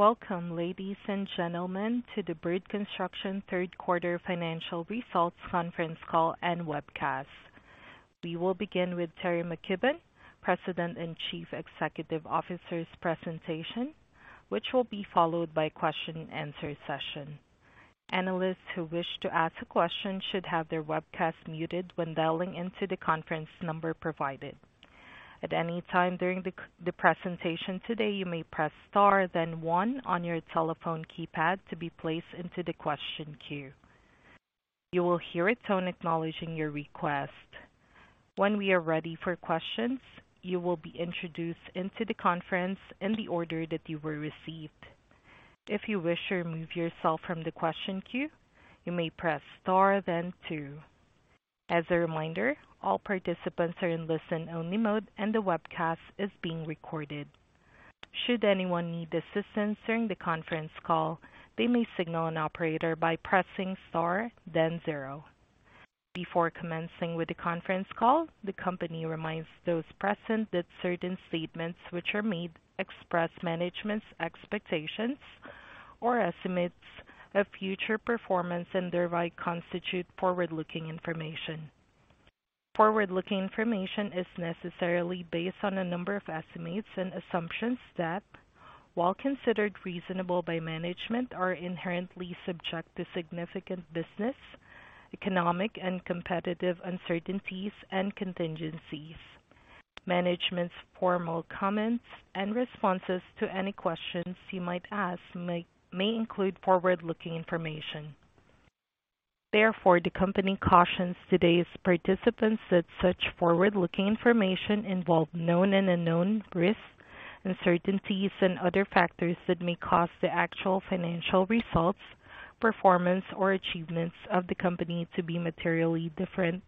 Welcome, ladies and gentlemen, to the Bird Construction Q3 financial results conference call and webcast. We will begin with Teri McKibbon, President and Chief Executive Officer's presentation, which will be followed by a question and answer session. Analysts who wish to ask a question should have their webcast muted when dialing into the conference number provided. At any time during the presentation today, you may press star then one on your telephone keypad to be placed into the question queue. You will hear a tone acknowledging your request. When we are ready for questions, you will be introduced into the conference in the order that you were received. If you wish to remove yourself from the question queue, you may press star then two. As a reminder, all participants are in listen-only mode and the webcast is being recorded. Should anyone need assistance during the conference call, they may signal an operator by pressing star then zero. Before commencing with the conference call, the company reminds those present that certain statements which are made express management's expectations or estimates of future performance and thereby constitute forward-looking information. Forward-looking information is necessarily based on a number of estimates and assumptions that, while considered reasonable by management, are inherently subject to significant business, economic and competitive uncertainties and contingencies. Management's formal comments and responses to any questions you might ask may include forward-looking information. Therefore, the company cautions today's participants that such forward-looking information involve known and unknown risks, uncertainties and other factors that may cause the actual financial results, performance or achievements of the company to be materially different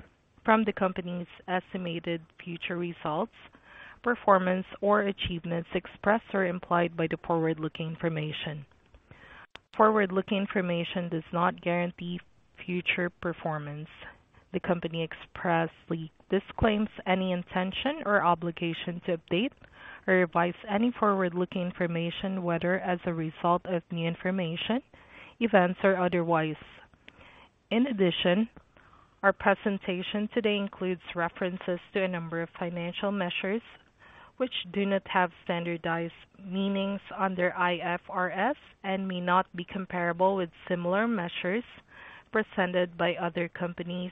from the company's estimated future results, performance or achievements expressed or implied by the forward-looking information. Forward-looking information does not guarantee future performance. The company expressly disclaims any intention or obligation to update or revise any forward-looking information, whether as a result of new information, events or otherwise. In addition, our presentation today includes references to a number of financial measures which do not have standardized meanings under IFRS and may not be comparable with similar measures presented by other companies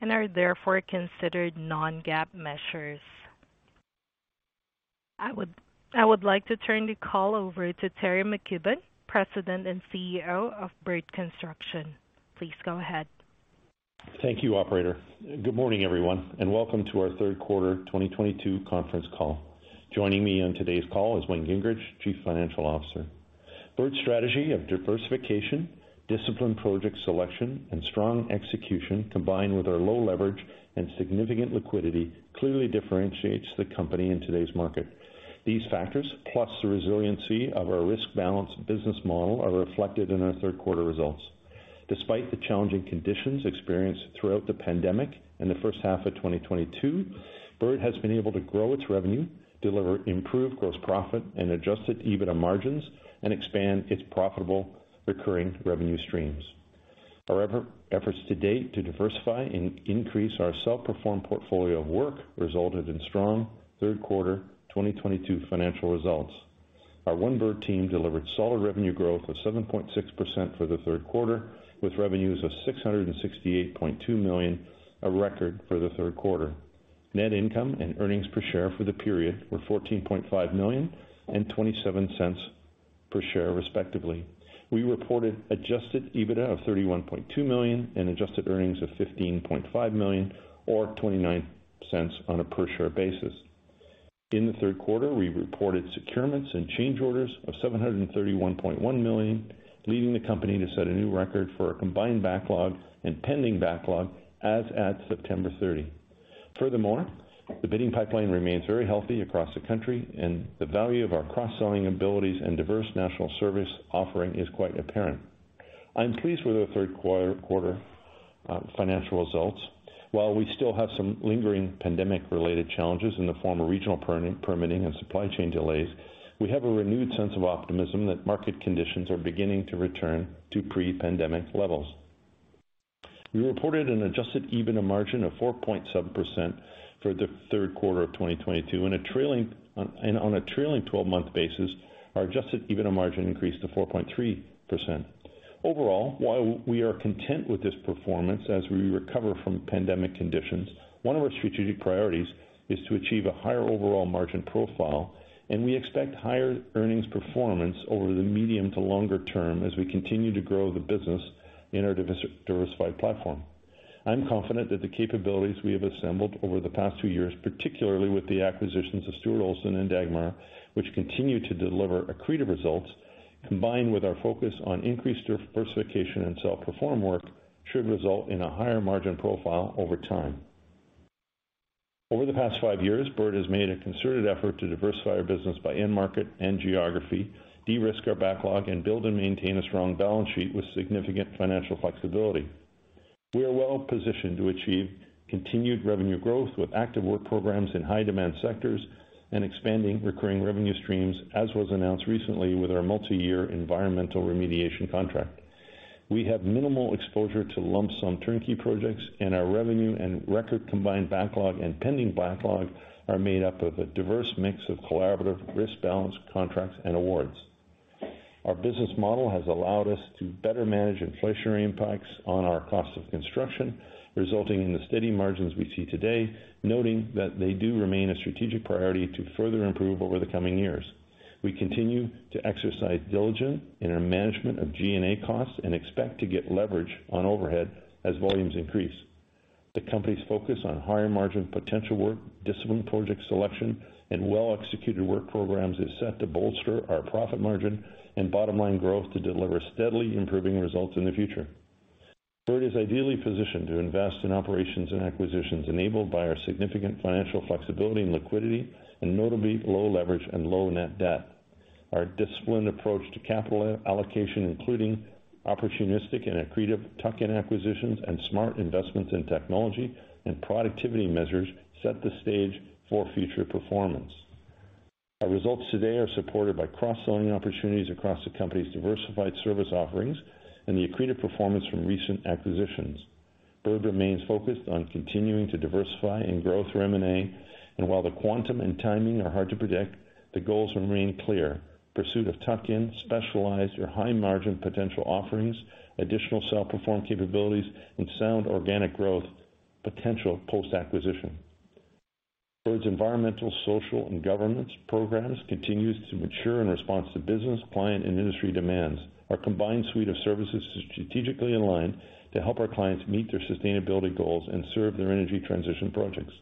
and are therefore considered non-GAAP measures. I would like to turn the call over to Teri McKibbon, President and CEO of Bird Construction. Please go ahead. Thank you, operator. Good morning, everyone, and welcome to our Q3 2022 conference call. Joining me on today's call is Wayne Gingrich, Chief Financial Officer. Bird's strategy of diversification, disciplined project selection and strong execution, combined with our low leverage and significant liquidity, clearly differentiates the company in today's market. These factors, plus the resiliency of our risk-balanced business model, are reflected in our Q3 results. Despite the challenging conditions experienced throughout the pandemic in the H1 of 2022, Bird has been able to grow its revenue, deliver improved gross profit and Adjusted EBITDA margins, and expand its profitable recurring revenue streams. Our efforts to date to diversify and increase our self-performed portfolio of work resulted in strong Q3 2022 financial results. Our One Bird team delivered solid revenue growth of 7.6% for the Q3, with revenues of 668.2 million, a record for the Q3. Net income and earnings per share for the period were 14.5 million and 0.27 per share, respectively. We reported adjusted EBITDA of 31.2 million and adjusted earnings of 15.5 million or 0.29 on a per share basis. In the Q3, we reported securements and change orders of 731.1 million, leading the company to set a new record for a combined backlog and pending backlog as at September 30. Furthermore, the bidding pipeline remains very healthy across the country and the value of our cross-selling abilities and diverse national service offering is quite apparent. I'm pleased with our Q3 financial results. While we still have some lingering pandemic-related challenges in the form of regional permitting and supply chain delays, we have a renewed sense of optimism that market conditions are beginning to return to pre-pandemic levels. We reported an adjusted EBITDA margin of 4.7% for the Q3 of 2022, and on a trailing twelve-month basis, our adjusted EBITDA margin increased to 4.3%. Overall, while we are content with this performance as we recover from pandemic conditions, one of our strategic priorities is to achieve a higher overall margin profile, and we expect higher earnings performance over the medium to longer term as we continue to grow the business in our diversified platform. I'm confident that the capabilities we have assembled over the past two years, particularly with the acquisitions of Stuart Olson and Dagmar, which continue to deliver accretive results combined with our focus on increased diversification and self-perform work, should result in a higher margin profile over time. Over the past five years, Bird has made a concerted effort to diversify our business by end market and geography, de-risk our backlog and build and maintain a strong balance sheet with significant financial flexibility. We are well positioned to achieve continued revenue growth with active work programs in high demand sectors and expanding recurring revenue streams, as was announced recently with our multi-year environmental remediation contract. We have minimal exposure to lump sum turnkey projects, and our revenue and record combined backlog and pending backlog are made up of a diverse mix of collaborative risk balance contracts and awards. Our business model has allowed us to better manage inflationary impacts on our cost of construction, resulting in the steady margins we see today, noting that they do remain a strategic priority to further improve over the coming years. We continue to exercise diligent in our management of G&A costs and expect to get leverage on overhead as volumes increase. The company's focus on higher margin potential work, disciplined project selection, and well-executed work programs is set to bolster our profit margin and bottom-line growth to deliver steadily improving results in the future. Bird is ideally positioned to invest in operations and acquisitions enabled by our significant financial flexibility and liquidity and notably low leverage and low net debt. Our disciplined approach to capital allocation, including opportunistic and accretive tuck-in acquisitions and smart investments in technology and productivity measures, set the stage for future performance. Our results today are supported by cross-selling opportunities across the company's diversified service offerings and the accretive performance from recent acquisitions. Bird remains focused on continuing to diversify and grow through M&A, and while the quantum and timing are hard to predict, the goals remain clear. Pursuit of tuck-in, specialized or high-margin potential offerings, additional self-perform capabilities, and sound organic growth, potential post-acquisition. Bird's environmental, social, and governance programs continues to mature in response to business, client, and industry demands. Our combined suite of services is strategically aligned to help our clients meet their sustainability goals and serve their energy transition projects.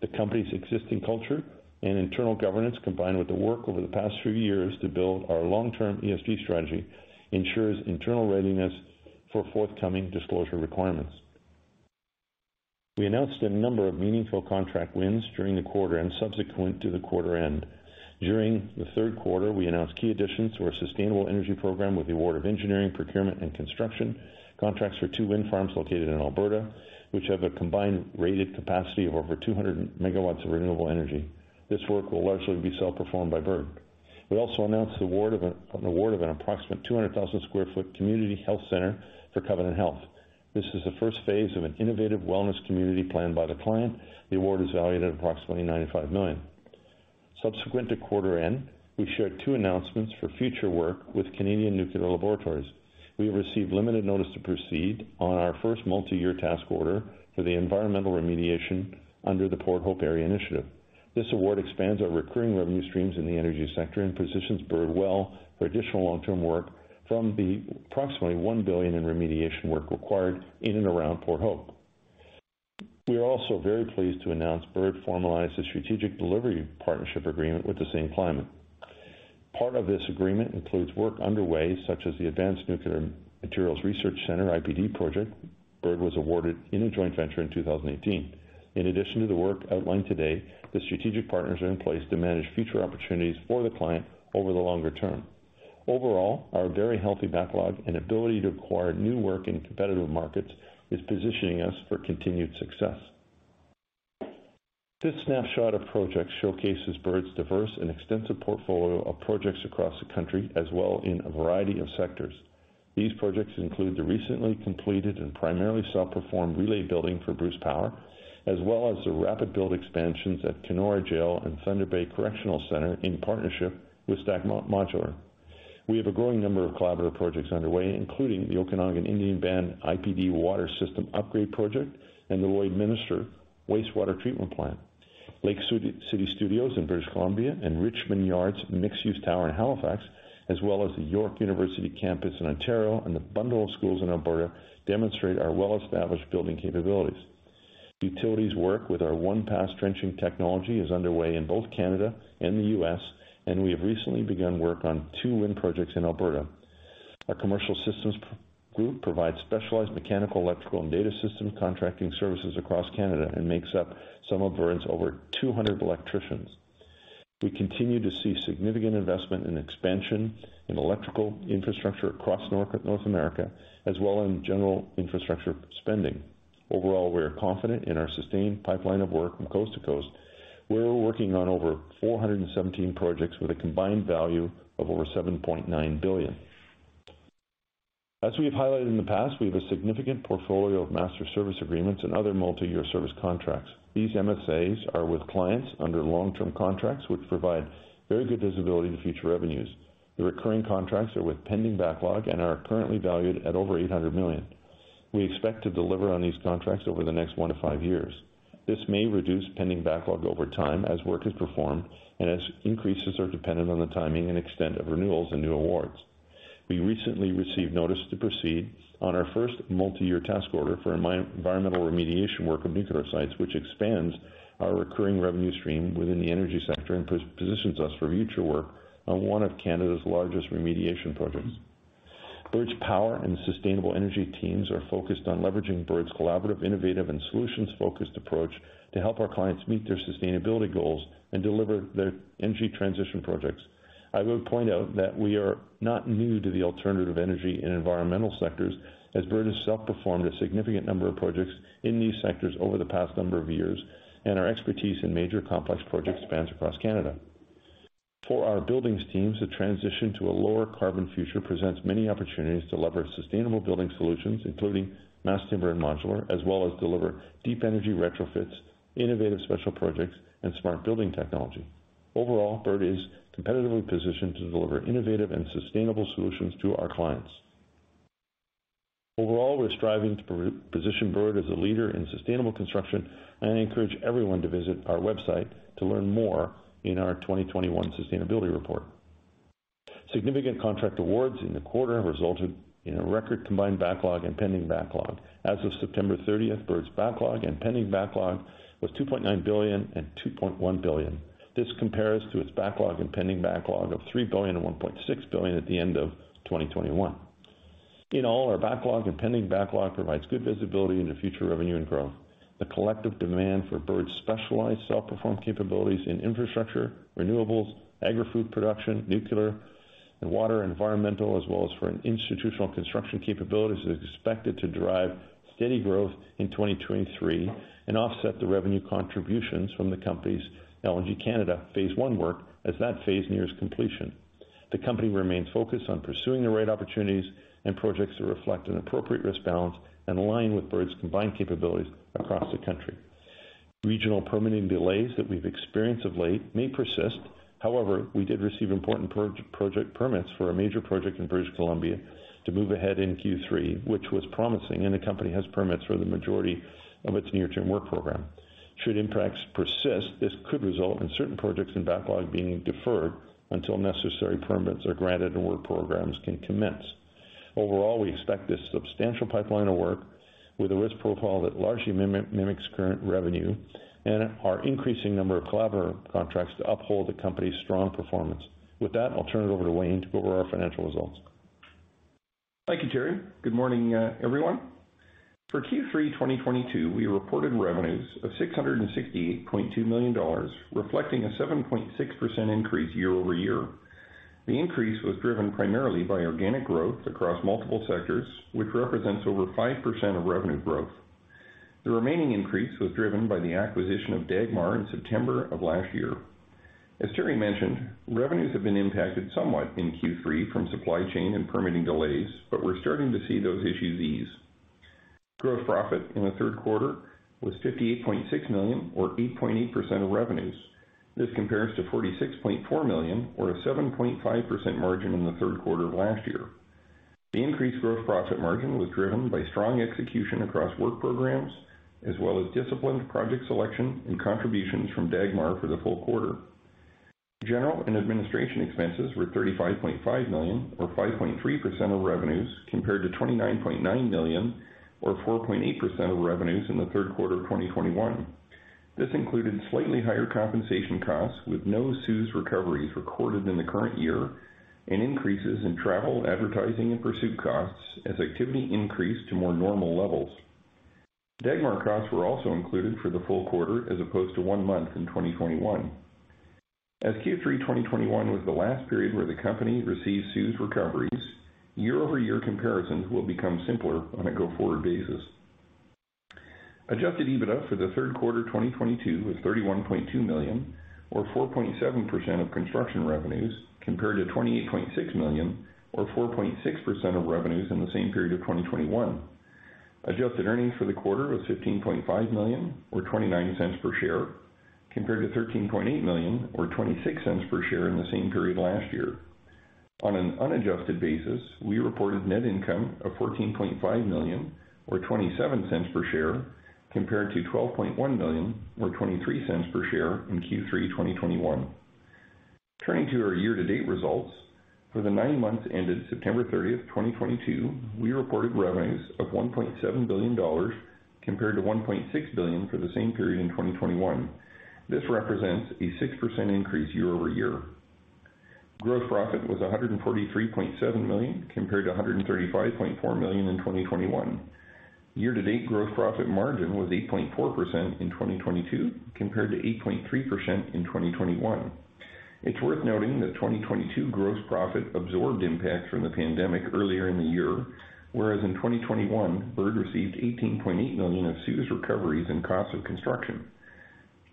The company's existing culture and internal governance, combined with the work over the past few years to build our long-term ESG strategy, ensures internal readiness for forthcoming disclosure requirements. We announced a number of meaningful contract wins during the quarter and subsequent to the quarter end. During the Q3, we announced key additions to our sustainable energy program with the award of engineering, procurement, and construction contracts for two wind farms located in Alberta, which have a combined rated capacity of over 200 megawatts of renewable energy. This work will largely be self-performed by Bird. We also announced the award of an approximate 200,000 sq ft community health center for Covenant Health. This is the first phase of an innovative wellness community planned by the client. The award is valued at approximately 95 million. Subsequent to quarter end, we shared two announcements for future work with Canadian Nuclear Laboratories. We have received limited notice to proceed on our first multi-year task order for the environmental remediation under the Port Hope Area Initiative. This award expands our recurring revenue streams in the energy sector and positions Bird well for additional long-term work from the approximately 1 billion in remediation work required in and around Port Hope. We are also very pleased to announce Bird formalized a strategic delivery partnership agreement with the same client. Part of this agreement includes work underway such as the Advanced Nuclear Materials Research Centre IPD project Bird was awarded in a joint venture in 2018. In addition to the work outlined today, the strategic partners are in place to manage future opportunities for the client over the longer term. Overall, our very healthy backlog and ability to acquire new work in competitive markets is positioning us for continued success. This snapshot of projects showcases Bird's diverse and extensive portfolio of projects across the country, as well as in a variety of sectors. These projects include the recently completed and primarily self-performed relay building for Bruce Power, as well as the rapid build expansions at Kenora Jail and Thunder Bay Correctional Centre in partnership with Stack Modular. We have a growing number of collaborative projects underway, including the Okanagan Indian Band IPD Water System Upgrade Project and the Lloydminster Wastewater Treatment Plant. Lake City Studios in British Columbia and Richmond Yards mixed-use tower in Halifax, as well as the York University campus in Ontario and the bundle of schools in Alberta demonstrate our well-established building capabilities. Utilities work with our one-pass trenching technology is underway in both Canada and the U.S., and we have recently begun work on two wind projects in Alberta. Our commercial systems group provides specialized mechanical, electrical, and data system contracting services across Canada and makes up some of Bird's over 200 electricians. We continue to see significant investment and expansion in electrical infrastructure across North America as well as in general infrastructure spending. Overall, we are confident in our sustained pipeline of work from coast to coast. We're working on over 417 projects with a combined value of over 7.9 billion. As we have highlighted in the past, we have a significant portfolio of master service agreements and other multi-year service contracts. These MSAs are with clients under long-term contracts, which provide very good visibility to future revenues. The recurring contracts together with pending backlog are currently valued at over 800 million. We expect to deliver on these contracts over the next one to five years. This may reduce pending backlog over time as work is performed and increases are dependent on the timing and extent of renewals and new awards. We recently received notice to proceed on our first multi-year task order for environmental remediation work of nuclear sites, which expands our recurring revenue stream within the energy sector and positions us for future work on one of Canada's largest remediation projects. Bird's power and sustainable energy teams are focused on leveraging Bird's collaborative, innovative, and solutions-focused approach to help our clients meet their sustainability goals and deliver their energy transition projects. I would point out that we are not new to the alternative energy and environmental sectors, as Bird has self-performed a significant number of projects in these sectors over the past number of years, and our expertise in major complex projects spans across Canada. For our buildings teams, the transition to a lower carbon future presents many opportunities to leverage sustainable building solutions, including mass timber and modular, as well as deliver deep energy retrofits, innovative special projects, and smart building technology. Overall, Bird is competitively positioned to deliver innovative and sustainable solutions to our clients. Overall, we're striving to position Bird as a leader in sustainable construction, and I encourage everyone to visit our website to learn more in our 2021 sustainability report. Significant contract awards in the quarter resulted in a record combined backlog and pending backlog. As of September 30, Bird's backlog and pending backlog was 2.9 billion and 2.1 billion. This compares to its backlog and pending backlog of 3 billion and 1.6 billion at the end of 2021. In all, our backlog and pending backlog provides good visibility into future revenue and growth. The collective demand for Bird's specialized self-performed capabilities in infrastructure, renewables, agri-food production, nuclear and water, environmental, as well as for an institutional construction capabilities, is expected to drive steady growth in 2023 and offset the revenue contributions from the company's LNG Canada phase one work as that phase nears completion. The company remains focused on pursuing the right opportunities and projects that reflect an appropriate risk balance and align with Bird's combined capabilities across the country. Regional permitting delays that we've experienced of late may persist. However, we did receive important project permits for a major project in British Columbia to move ahead in Q3, which was promising, and the company has permits for the majority of its near-term work program. Should impacts persist, this could result in certain projects and backlog being deferred until necessary permits are granted and work programs can commence. Overall, we expect this substantial pipeline of work with a risk profile that largely mimics current revenue and our increasing number of collaborative contracts to uphold the company's strong performance. With that, I'll turn it over to Wayne to go over our financial results. Thank you, Teri. Good morning, everyone. For Q3 2022, we reported revenues of 668.2 million dollars, reflecting a 7.6% increase year-over-year. The increase was driven primarily by organic growth across multiple sectors, which represents over 5% of revenue growth. The remaining increase was driven by the acquisition of Dagmar in September of last year. As Teri mentioned, revenues have been impacted somewhat in Q3 from supply chain and permitting delays, but we're starting to see those issues ease. Gross profit in the Q3 was 58.6 million or 8.8% of revenues. This compares to 46.4 million or a 7.5% margin in the Q3 of last year. The increased gross profit margin was driven by strong execution across work programs as well as disciplined project selection and contributions from Dagmar for the full quarter. General and administrative expenses were 35.5 million or 5.3% of revenues, compared to 29.9 million or 4.8% of revenues in the Q3 of 2021. This included slightly higher compensation costs, with no CEWS recoveries recorded in the current year and increases in travel, advertising, and pursuit costs as activity increased to more normal levels. Dagmar costs were also included for the full quarter as opposed to one month in 2021. As Q3 2021 was the last period where the company received CEWS recoveries, year-over-year comparisons will become simpler on a go-forward basis. Adjusted EBITDA for the Q3 2022 was CAD 31.2 million or 4.7% of construction revenues, compared to 28.6 million or 4.6% of revenues in the same period of 2021. Adjusted earnings for the quarter was 15.5 million or 0.29 per share, compared to 13.8 million or 0.26 per share in the same period last year. On an unadjusted basis, we reported net income of 14.5 million or 0.27 per share, compared to 12.1 million or 0.23 per share in Q3 2021. Turning to our year-to-date results. For the nine months ended September 30, 2022, we reported revenues of 1.7 billion dollars compared to 1.6 billion for the same period in 2021. This represents a 6% increase year-over-year. Gross profit was 143.7 million, compared to 135.4 million in 2021. Year-to-date gross profit margin was 8.4% in 2022 compared to 8.3% in 2021. It's worth noting that 2022 gross profit absorbed impacts from the pandemic earlier in the year, whereas in 2021, Bird received 18.8 million of CEWS recoveries and cost of construction.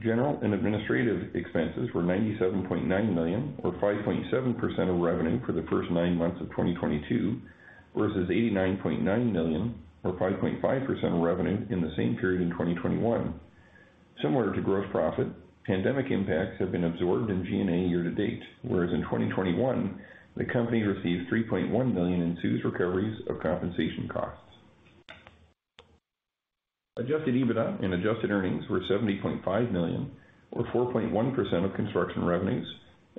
General and administrative expenses were 97.9 million or 5.7% of revenue for the first nine months of 2022 versus 89.9 million or 5.5% of revenue in the same period in 2021. Similar to gross profit, pandemic impacts have been absorbed in G&A year to date, whereas in 2021, the company received 3.1 million in CEWS recoveries of compensation costs. Adjusted EBITDA and adjusted earnings were 70.5 million or 4.1% of construction revenues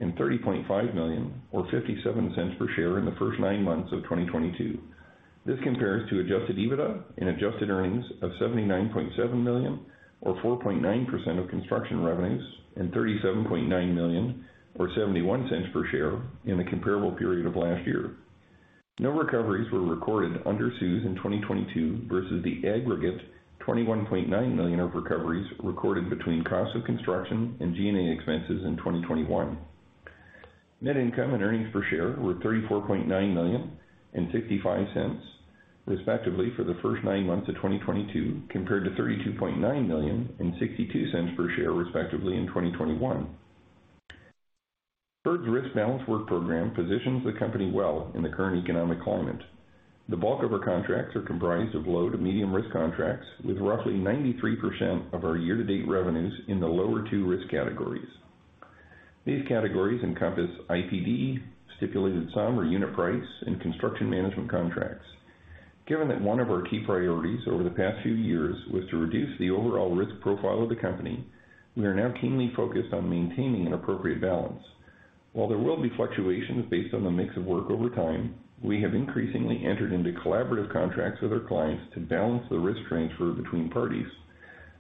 and 30.5 million or 0.57 per share in the first nine months of 2022. This compares to adjusted EBITDA and adjusted earnings of 79.7 million, or 4.9% of construction revenues, and 37.9 million or 0.71 per share in the comparable period of last year. No recoveries were recorded under CEWS in 2022 versus the aggregate 21.9 million of recoveries recorded between cost of construction and G&A expenses in 2021. Net income and earnings per share were 34.9 million and 0.65, respectively, for the first nine months of 2022, compared to 32.9 million and 0.62 per share, respectively, in 2021. Bird's risk balance work program positions the company well in the current economic climate. The bulk of our contracts are comprised of low to medium risk contracts, with roughly 93% of our year-to-date revenues in the lower two risk categories. These categories encompass IPD, stipulated sum or unit price, and construction management contracts. Given that one of our key priorities over the past few years was to reduce the overall risk profile of the company, we are now keenly focused on maintaining an appropriate balance. While there will be fluctuations based on the mix of work over time, we have increasingly entered into collaborative contracts with our clients to balance the risk transfer between parties.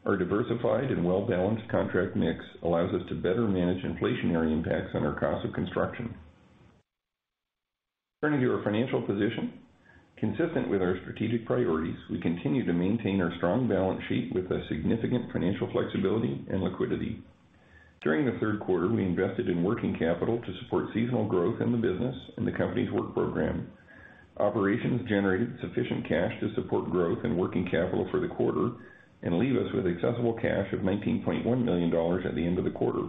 Our diversified and well-balanced contract mix allows us to better manage inflationary impacts on our cost of construction. Turning to our financial position. Consistent with our strategic priorities, we continue to maintain our strong balance sheet with a significant financial flexibility and liquidity. During the Q3, we invested in working capital to support seasonal growth in the business and the company's work program. Operations generated sufficient cash to support growth and working capital for the quarter and leave us with accessible cash of 19.1 million dollars at the end of the quarter.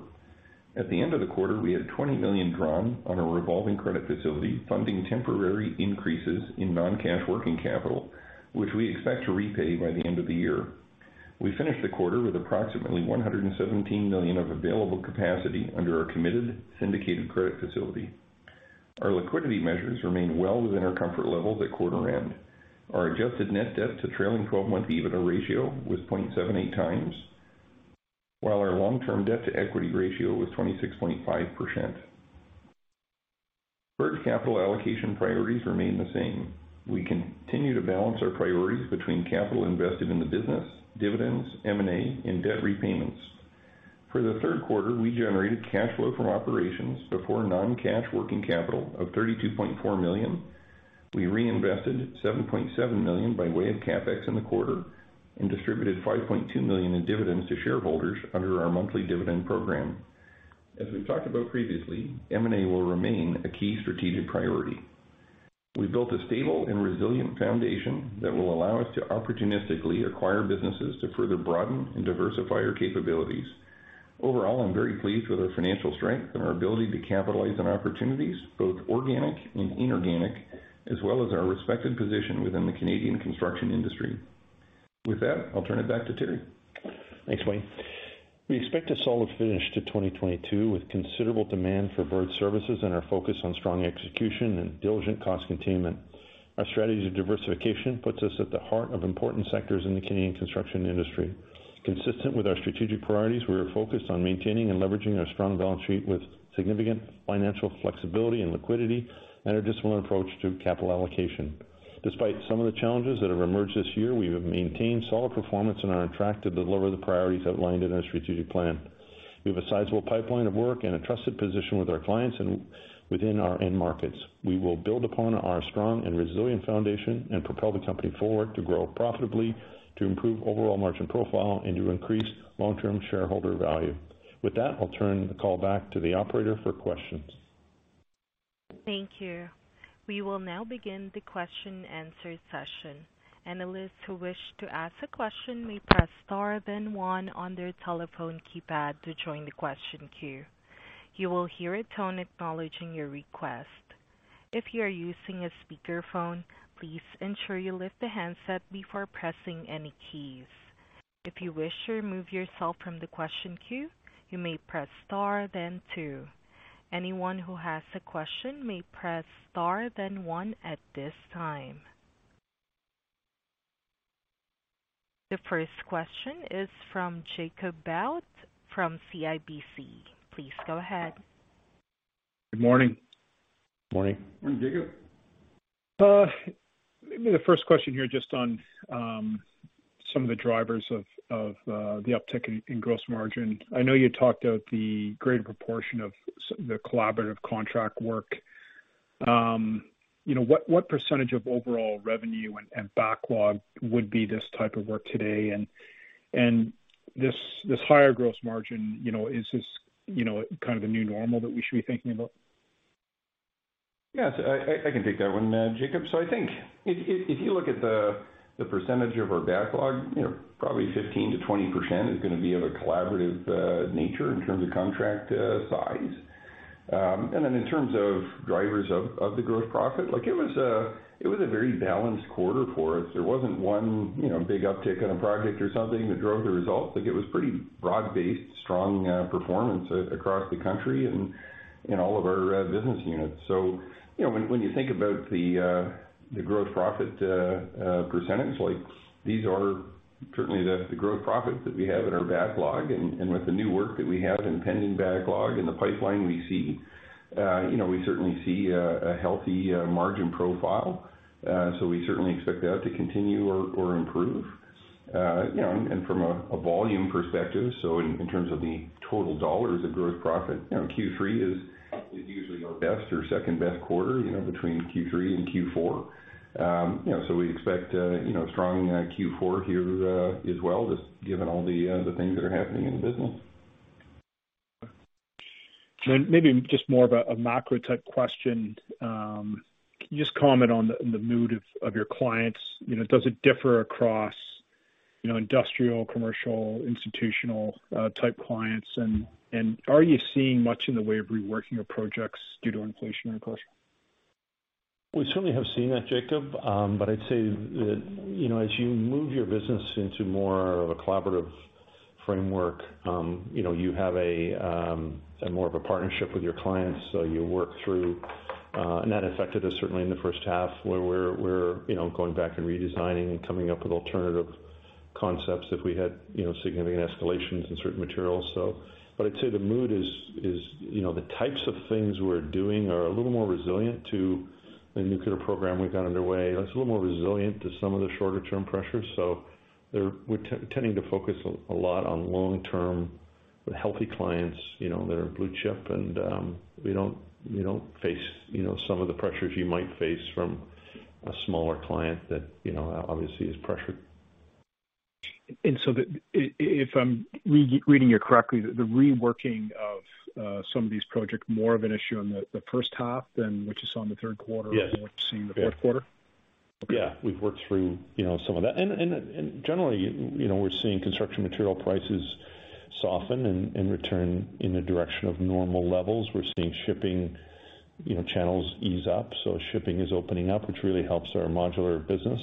At the end of the quarter, we had 20 million drawn on our revolving credit facility, funding temporary increases in non-cash working capital, which we expect to repay by the end of the year. We finished the quarter with approximately 117 million of available capacity under our committed syndicated credit facility. Our liquidity measures remain well within our comfort levels at quarter end. Our adjusted net debt to trailing twelve-month EBITDA ratio was 0.78x, while our long-term debt to equity ratio was 26.5%. Bird's capital allocation priorities remain the same. We continue to balance our priorities between capital invested in the business, dividends, M&A, and debt repayments. For the Q3, we generated cash flow from operations before non-cash working capital of 32.4 million. We reinvested 7.7 million by way of CapEx in the quarter and distributed 5.2 million in dividends to shareholders under our monthly dividend program. As we've talked about previously, M&A will remain a key strategic priority. We built a stable and resilient foundation that will allow us to opportunistically acquire businesses to further broaden and diversify our capabilities. Overall, I'm very pleased with our financial strength and our ability to capitalize on opportunities both organic and inorganic, as well as our respected position within the Canadian construction industry. With that, I'll turn it back to Teri McKibbon. Thanks, Wayne. We expect a solid finish to 2022 with considerable demand for Bird services and our focus on strong execution and diligent cost containment. Our strategy of diversification puts us at the heart of important sectors in the Canadian construction industry. Consistent with our strategic priorities, we are focused on maintaining and leveraging our strong balance sheet with significant financial flexibility and liquidity and our disciplined approach to capital allocation. Despite some of the challenges that have emerged this year, we have maintained solid performance and are committed to deliver the priorities outlined in our strategic plan. We have a sizable pipeline of work and a trusted position with our clients and within our end markets. We will build upon our strong and resilient foundation and propel the company forward to grow profitably, to improve overall margin profile, and to increase long-term shareholder value. With that, I'll turn the call back to the operator for questions. Thank you. We will now begin the question-answer session. Analysts who wish to ask a question may press star then one on their telephone keypad to join the question queue. You will hear a tone acknowledging your request. If you are using a speakerphone, please ensure you lift the handset before pressing any keys. If you wish to remove yourself from the question queue, you may press star then two. Anyone who has a question may press star then one at this time. The first question is from Jacob Bout from CIBC. Please go ahead. Good morning. Morning. Morning, Jacob. Maybe the first question here just on some of the drivers of the uptick in gross margin. I know you talked about the greater proportion of the collaborative contract work. You know, what percentage of overall revenue and backlog would be this type of work today? This higher gross margin, you know, is this kind of a new normal that we should be thinking about? Yes, I can take that one, Jacob. I think if you look at the percentage of our backlog, you know, probably 15%-20% is gonna be of a collaborative nature in terms of contract size. In terms of drivers of the gross profit, like it was a very balanced quarter for us. There wasn't one, you know, big uptick in a project or something that drove the results. Like it was pretty broad-based, strong performance across the country and in all of our business units. You know, when you think about the gross profit percentage, like these are certainly the gross profits that we have in our backlog and with the new work that we have in pending backlog in the pipeline, we see, you know, we certainly see a healthy margin profile. We certainly expect that to continue or improve. You know, and from a volume perspective, so in terms of the total dollars of gross profit, you know, Q3 is usually our best or second best quarter, you know, between Q3 and Q4. You know, we expect you know strong Q4 here as well, just given all the things that are happening in the business. Maybe just more of a macro type question. Can you just comment on the mood of your clients? You know, does it differ across, you know, industrial, commercial, institutional type clients? And are you seeing much in the way of reworking your projects due to inflation and cost? We certainly have seen that, Jacob. I'd say that, you know, as you move your business into more of a collaborative framework, you know, you have a more of a partnership with your clients, so you work through and that affected us certainly in the H1, where we're going back and redesigning and coming up with alternative concepts if we had, you know, significant escalations in certain materials. I'd say the mood is, you know, the types of things we're doing are a little more resilient to the nuclear program we've got underway. It's a little more resilient to some of the shorter term pressures. We're tending to focus a lot on long-term healthy clients, you know, that are blue chip and we don't face, you know, some of the pressures you might face from a smaller client that, you know, obviously is pressured. If I'm reading you correctly, the reworking of some of these projects more of an issue on the H1 than what you saw in the Q3. Yes. What you see in the Q4? Yeah, we've worked through, you know, some of that. Generally, you know, we're seeing construction material prices soften and return in the direction of normal levels. We're seeing shipping, you know, channels ease up, so shipping is opening up, which really helps our modular business.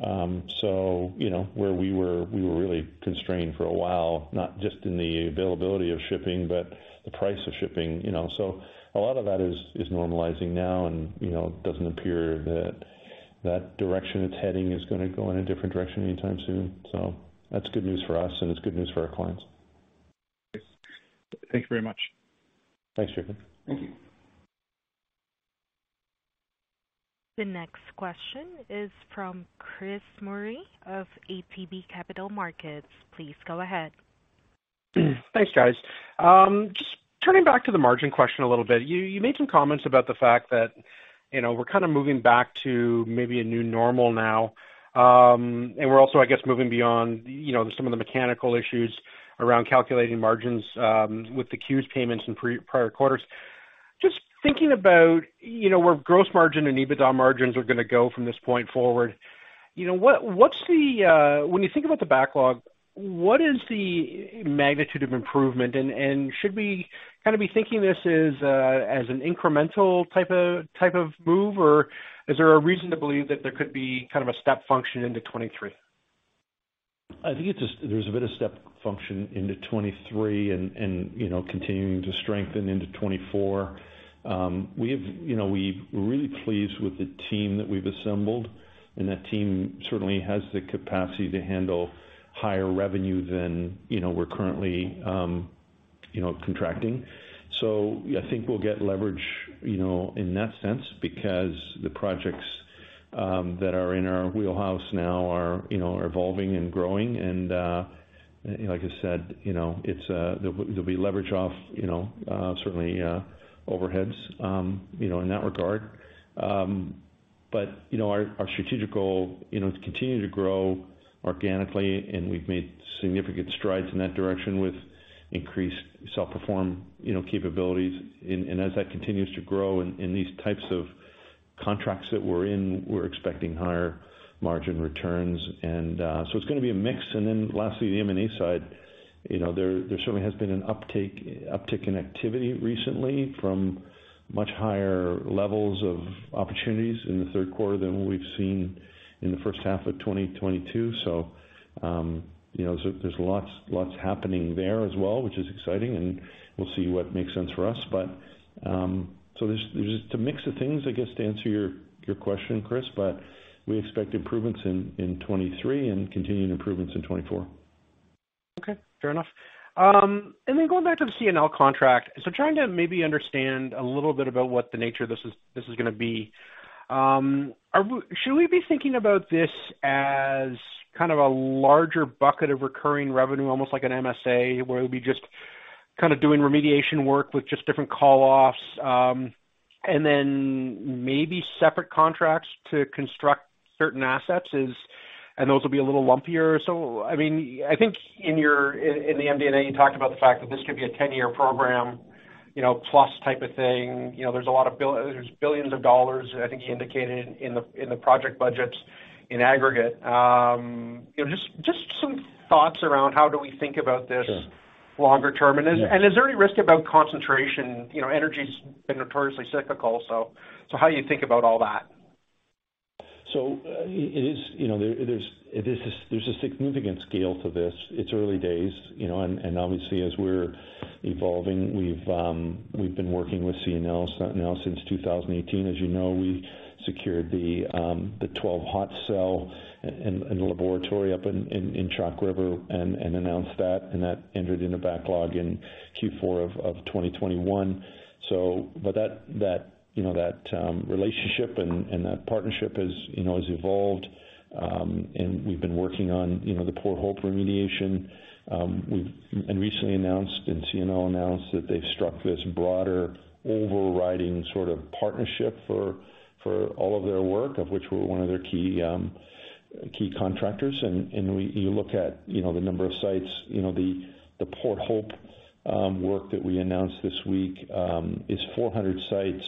You know, where we were, we were really constrained for a while, not just in the availability of shipping, but the price of shipping, you know. A lot of that is normalizing now and, you know, doesn't appear that direction it's heading is gonna go in a different direction anytime soon. That's good news for us and it's good news for our clients. Thanks very much. Thanks, Jacob. Thank you. The next question is from Chris Murray of ATB Capital Markets. Please go ahead. Thanks, guys. Just turning back to the margin question a little bit. You made some comments about the fact that, you know, we're kinda moving back to maybe a new normal now. We're also, I guess, moving beyond, you know, some of the mechanical issues around calculating margins with the CEWS payments in prior quarters. Just thinking about, you know, where gross margin and EBITDA margins are gonna go from this point forward. You know, what is the magnitude of improvement when you think about the backlog? Should we kinda be thinking this as an incremental type of move? Or is there a reason to believe that there could be kind of a step function into 2023? I think there's a bit of step function into 2023 and you know continuing to strengthen into 2024. We have, you know, we're really pleased with the team that we've assembled, and that team certainly has the capacity to handle higher revenue than, you know, we're currently, you know, contracting. So I think we'll get leverage, you know, in that sense because the projects that are in our wheelhouse now are, you know, evolving and growing. Like I said, you know, there'll be leverage off, you know, certainly overheads, you know, in that regard. Our strategic goal, you know, to continue to grow organically, and we've made significant strides in that direction with increased self-perform, you know, capabilities. As that continues to grow in these types of contracts that we're in, we're expecting higher margin returns. It's gonna be a mix. Lastly, the M&A side, you know, there certainly has been an uptick in activity recently from much higher levels of opportunities in the Q3 than what we've seen in the H1 of 2022. You know, there's lots happening there as well, which is exciting, and we'll see what makes sense for us. There's just a mix of things, I guess, to answer your question, Chris, but we expect improvements in 2023 and continuing improvements in 2024. Okay. Fair enough. Going back to the CNL contract. Trying to maybe understand a little bit about what the nature of this is going to be. Should we be thinking about this as kind of a larger bucket of recurring revenue, almost like an MSA, where it will be just kind of doing remediation work with just different call-offs, and then maybe separate contracts to construct certain assets, and those will be a little lumpier? I mean, I think in your MD&A, you talked about the fact that this could be a 10-year program, you know, plus type of thing. You know, there are billions dollars, I think you indicated in the project budgets in aggregate. You know, just some thoughts around how do we think about this. Sure. Longer term? Yes. Is there any risk about concentration? You know, energy's been notoriously cyclical, so how do you think about all that? It is a significant scale to this. It's early days, you know, and obviously, as we're evolving, we've been working with CNL now since 2018. As you know, we secured the Twelve Hot Cell in the laboratory up in Chalk River and announced that, and that entered in the backlog in Q4 of 2021. That relationship and that partnership has evolved. You know, we've been working on, you know, the Port Hope remediation. We've recently announced and CNL announced that they've struck this broader, overriding sort of partnership for all of their work, of which we're one of their key contractors. You look at, you know, the number of sites, you know, the Port Hope work that we announced this week is 400 sites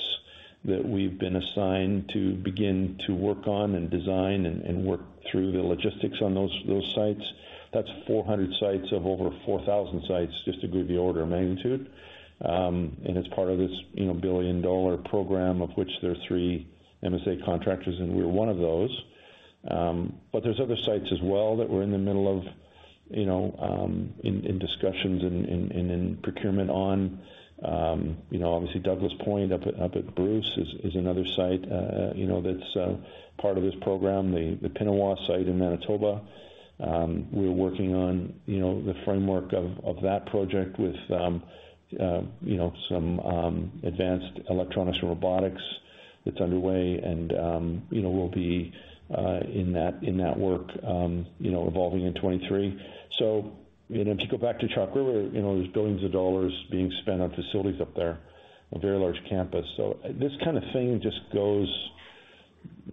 that we've been assigned to begin to work on and design and work through the logistics on those sites. That's 400 sites of over 4,000 sites, just to give you the order of magnitude. It's part of this, you know, billion-dollar program of which there are three MSA contractors, and we're one of those. There's other sites as well that we're in the middle of, you know, in discussions and in procurement on, you know, obviously Douglas Point up at Bruce is another site, you know, that's part of this program. The Pinawa site in Manitoba, we're working on, you know, the framework of that project with, you know, some advanced electronics and robotics that's underway. You know, we'll be in that work, you know, evolving in 2023. You know, if you go back to Chalk River, you know, there's billions of CAD being spent on facilities up there, a very large campus. This kind of thing just goes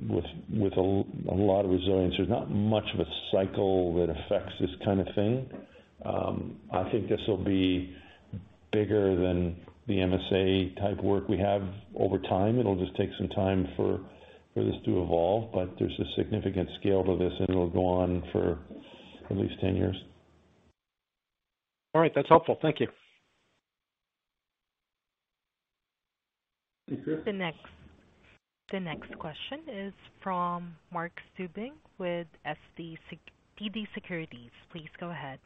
with a lot of resilience. There's not much of a cycle that affects this kind of thing. I think this will be bigger than the MSA type work we have over time. It'll just take some time for this to evolve. There's a significant scale to this, and it'll go on for at least 10 years. All right. That's helpful. Thank you. Thank you. The next question is from Michael Tupholme with TD Securities. Please go ahead.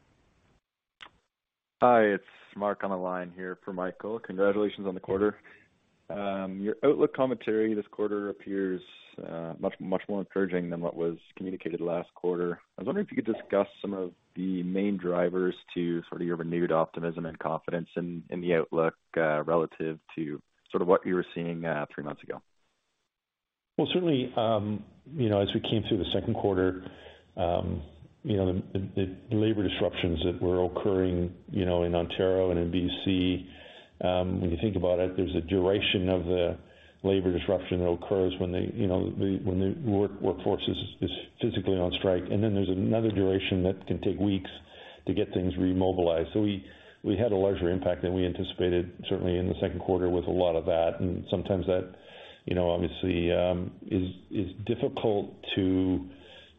Hi, it's Mark on the line here for Michael. Congratulations on the quarter. Your outlook commentary this quarter appears much, much more encouraging than what was communicated last quarter. I was wondering if you could discuss some of the main drivers to sort of your renewed optimism and confidence in the outlook relative to sort of what you were seeing three months ago. Well, certainly, you know, as we came through the Q2, you know, the labor disruptions that were occurring, you know, in Ontario and in BC, when you think about it, there's a duration of the labor disruption that occurs when the workforce is physically on strike. Then there's another duration that can take weeks to get things remobilized. We had a larger impact than we anticipated, certainly in the Q2 with a lot of that. Sometimes that, you know, obviously, is difficult to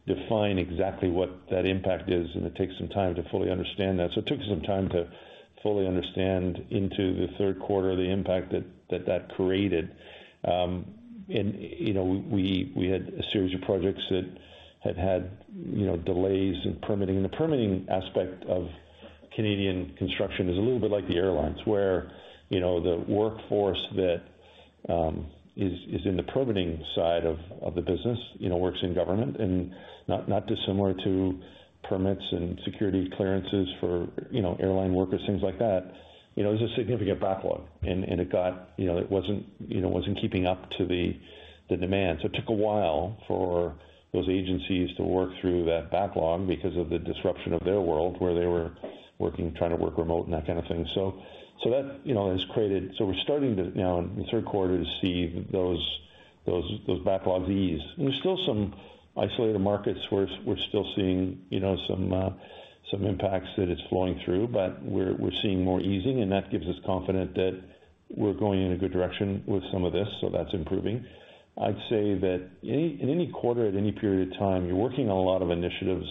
define exactly what that impact is, and it takes some time to fully understand that. It took some time to fully understand into the Q3 the impact that that created. You know, we had a series of projects that had, you know, delays in permitting. The permitting aspect of Canadian construction is a little bit like the airlines, where, you know, the workforce that is in the permitting side of the business, you know, works in government and not dissimilar to permits and security clearances for, you know, airline workers, things like that. You know, there's a significant backlog and it got, you know, it wasn't keeping up to the demand. It took a while for those agencies to work through that backlog because of the disruption of their world, where they were working, trying to work remote and that kind of thing. That, you know, has created. We're starting to now in the Q3 to see those backlogs ease. There's still some isolated markets where we're still seeing, you know, some impacts that it's flowing through. We're seeing more easing, and that gives us confidence that we're going in a good direction with some of this. That's improving. I'd say that in any quarter, at any period of time, you're working on a lot of initiatives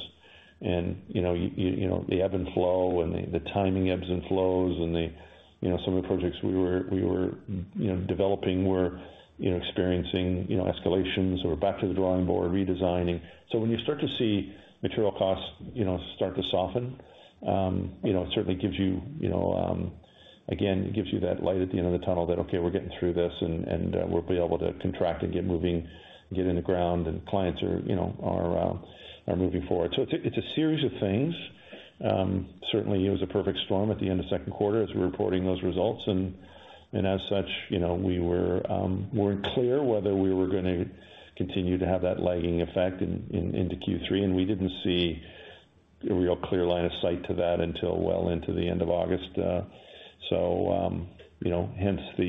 and, you know, you know, the ebb and flow and the timing ebbs and flows and the, you know, some of the projects we were developing were, you know, experiencing, you know, escalations or back to the drawing board redesigning. When you start to see material costs, you know, start to soften, you know, it certainly gives you know, again, it gives you that light at the end of the tunnel that, okay, we're getting through this, and we'll be able to contract and get moving, get in the ground, and clients are, you know, moving forward. It's a series of things. Certainly, it was a perfect storm at the end of Q2 as we were reporting those results. As such, you know, we weren't clear whether we were gonna continue to have that lagging effect into Q3, and we didn't see a real clear line of sight to that until well into the end of August. You know, hence the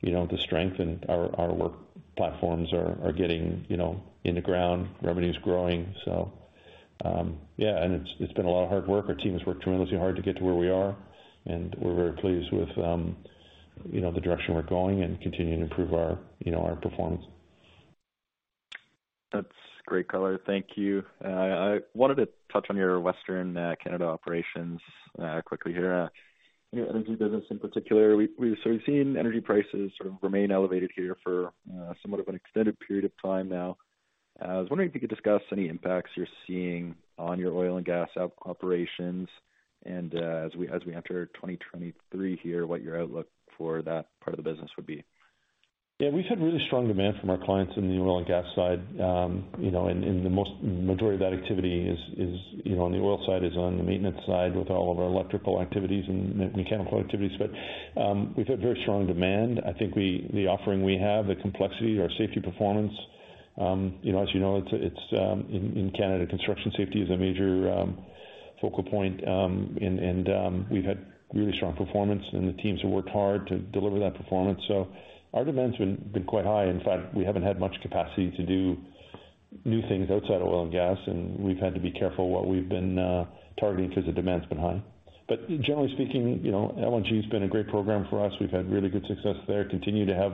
you know, the strength in our work platforms are getting you know, in the ground, revenue's growing. Yeah, it's been a lot of hard work. Our team has worked tremendously hard to get to where we are, and we're very pleased with you know, the direction we're going and continuing to improve our you know, our performance. That's great color. Thank you. I wanted to touch on your Western Canada operations quickly here. Your energy business in particular. We've seen energy prices sort of remain elevated here for somewhat of an extended period of time now. I was wondering if you could discuss any impacts you're seeing on your oil and gas operations and, as we enter 2023 here, what your outlook for that part of the business would be. Yeah. We've had really strong demand from our clients in the oil and gas side. You know, and the majority of that activity is, you know, on the oil side, is on the maintenance side with all of our electrical activities and mechanical activities. We've had very strong demand. I think the offering we have, the complexity, our safety performance, you know, as you know, it's in Canada, construction safety is a major focal point. And we've had really strong performance, and the teams have worked hard to deliver that performance. Our demand's been quite high. In fact, we haven't had much capacity to do new things outside of oil and gas, and we've had to be careful what we've been targeting because the demand's been high. Generally speaking, you know, LNG has been a great program for us. We've had really good success there. Continue to have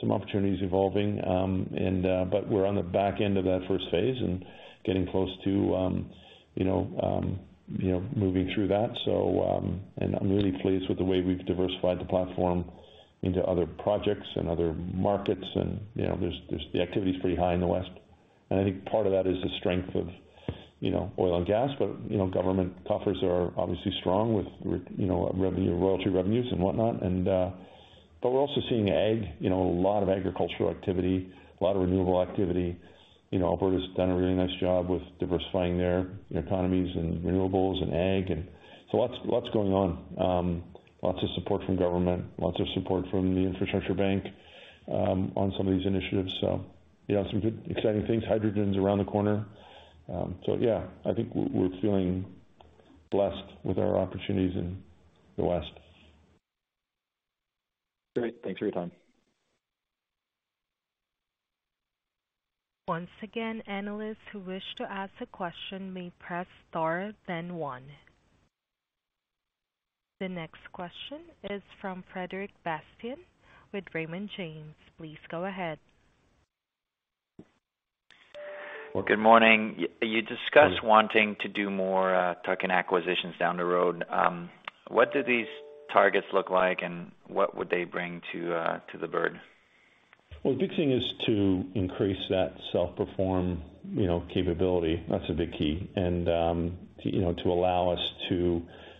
some opportunities evolving. We're on the back end of that first phase and getting close to moving through that. I'm really pleased with the way we've diversified the platform into other projects and other markets. You know, the activity is pretty high in the west, and I think part of that is the strength of you know, oil and gas. You know, government coffers are obviously strong with you know, revenue, royalty revenues and whatnot. We're also seeing ag, you know, a lot of agricultural activity, a lot of renewable activity. You know, Alberta's done a really nice job with diversifying their economies in renewables and ag. Lots going on. Lots of support from government, lots of support from the infrastructure bank, on some of these initiatives. You know, some good, exciting things. Hydrogen's around the corner. Yeah, I think we're feeling blessed with our opportunities in the west. Great. Thanks for your time. Once again, analysts who wish to ask a question may press star then one. The next question is from Frédéric Bastien with Raymond James. Please go ahead. Good morning. Morning. You discussed wanting to do more tuck-in acquisitions down the road. What do these targets look like, and what would they bring to the Bird? Well, a big thing is to increase that self-perform, you know, capability. That's a big key.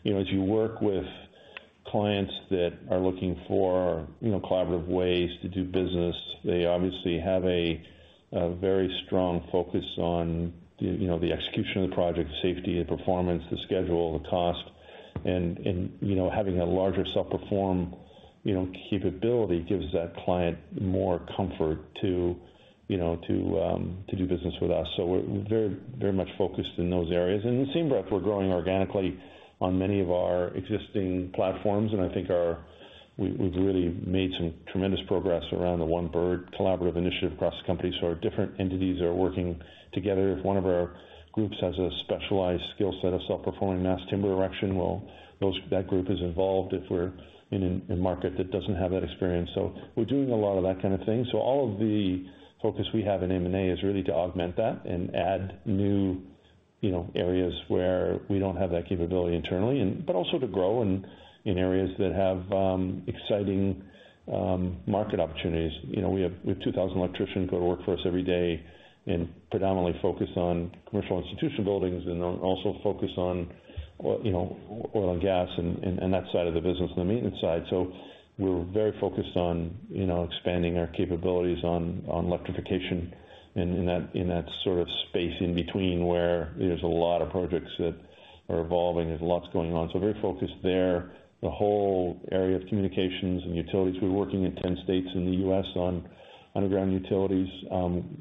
You know, as you work with clients that are looking for, you know, collaborative ways to do business, they obviously have a very strong focus on the, you know, the execution of the project, safety, the performance, the schedule, the cost. You know, having a larger self-perform, you know, capability gives that client more comfort to, you know, to do business with us. We're very, very much focused in those areas. It seems that we're growing organically on many of our existing platforms, and I think we've really made some tremendous progress around the One Bird collaborative initiative across the company. Our different entities are working together. If one of our groups has a specialized skill set of self-performing mass timber erection, that group is involved if we're in a market that doesn't have that experience. We're doing a lot of that kind of thing. All of the focus we have in M&A is really to augment that and add new, you know, areas where we don't have that capability internally but also to grow in areas that have exciting market opportunities. You know, we have 2,000 electricians go to work for us every day and predominantly focus on commercial institution buildings and also focus on oil, you know, oil and gas and that side of the business and the maintenance side. We're very focused on expanding our capabilities on electrification in that sort of space in between, where there's a lot of projects that are evolving. There's lots going on. Very focused there. The whole area of communications and utilities. We're working in 10 states in the U.S. on underground utilities. A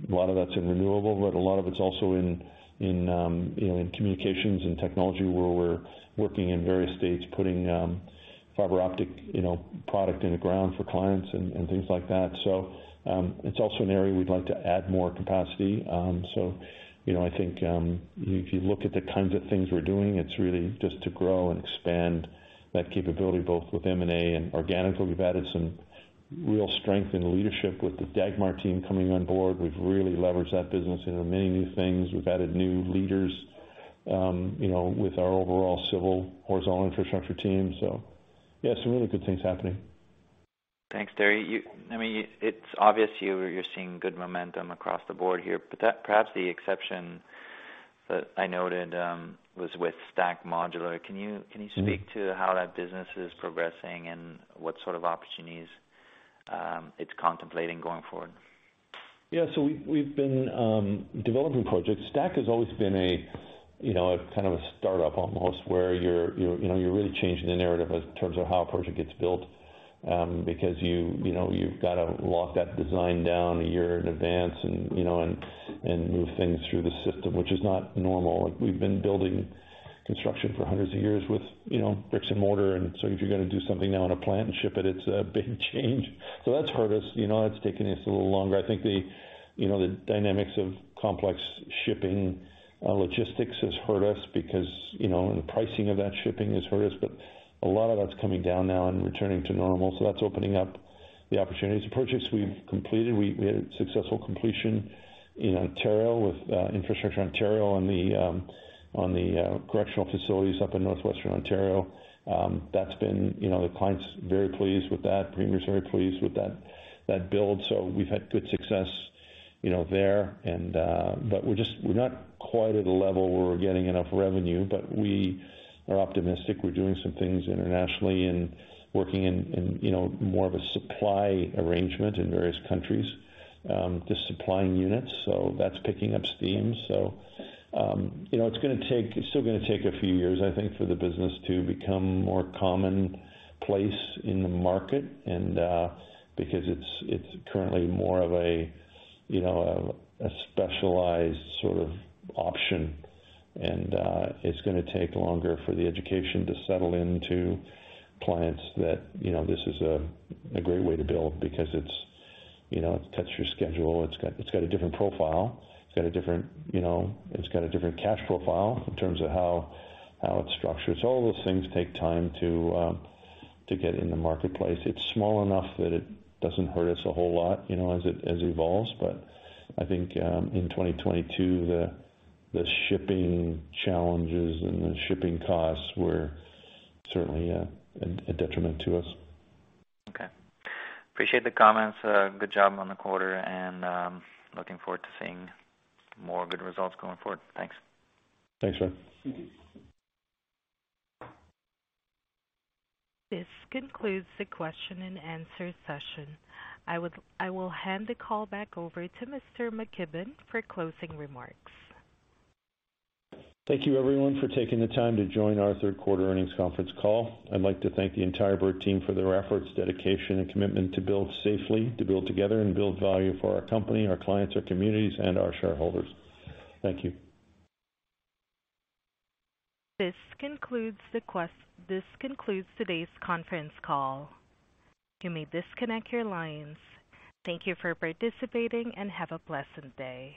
lot of that's in renewable, but a lot of it's also in communications and technology, where we're working in various states, putting fiber optic, you know, product in the ground for clients and things like that. It's also an area we'd like to add more capacity. You know, I think if you look at the kinds of things we're doing, it's really just to grow and expand that capability, both with M&A and organically. We've added some real strength in leadership with the Dagmar team coming on board. We've really leveraged that business into many new things. We've added new leaders, you know, with our overall civil horizontal infrastructure team. Yeah, some really good things happening. Thanks, Terry. I mean, it's obvious you're seeing good momentum across the board here. Perhaps the exception that I noted was with Stack Modular. Can you- Mm-hmm. Can you speak to how that business is progressing and what sort of opportunities, it's contemplating going forward? We've been developing projects. Stack has always been a kind of a startup almost, where you're really changing the narrative in terms of how a project gets built, because you've got to lock that design down a year in advance and move things through the system, which is not normal. Like we've been building construction for hundreds of years with bricks and mortar. If you're gonna do something now in a plant and ship it's a big change. That's hurt us. You know, it's taken us a little longer. I think the dynamics of complex shipping logistics has hurt us because the pricing of that shipping has hurt us. A lot of that's coming down now and returning to normal. That's opening up the opportunities. The projects we've completed, we had a successful completion in Ontario with Infrastructure Ontario on the correctional facilities up in Northwestern Ontario. That's been. You know, the client's very pleased with that. Premier's very pleased with that build. We've had good success there. We're not quite at a level where we're getting enough revenue, but we are optimistic. We're doing some things internationally and working in more of a supply arrangement in various countries, just supplying units. That's picking up steam. You know, it's gonna take. It's still gonna take a few years, I think, for the business to become more commonplace in the market and because it's currently more of a, you know, a specialized sort of option. It's gonna take longer for the education to settle into clients that, you know, this is a great way to build because it's, you know, it fits your schedule. It's got a different profile. It's got a different cash profile, you know, in terms of how it's structured. All those things take time to get in the marketplace. It's small enough that it doesn't hurt us a whole lot, you know, as it evolves. I think in 2022, the shipping challenges and the shipping costs were certainly a detriment to us. Okay. Appreciate the comments. Good job on the quarter and looking forward to seeing more good results going forward. Thanks. Thanks, Ryan. This concludes the question and answer session. I will hand the call back over to Mr. McKibbon for closing remarks. Thank you everyone for taking the time to join our Q3 earnings conference call. I'd like to thank the entire Bird team for their efforts, dedication, and commitment to build safely, to build together, and build value for our company, our clients, our communities, and our shareholders. Thank you. This concludes today's conference call. You may disconnect your lines. Thank you for participating, and have a blessed day.